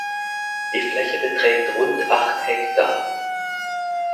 Die Fläche beträgt rund acht Hektar.